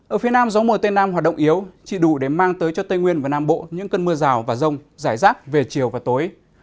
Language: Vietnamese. ở phía nam gió mùa tây nam hoạt động yếu chỉ đủ để mang tới cho tây nguyên và nam bộ những cơn mưa rào và rông rải rác về chiều và tối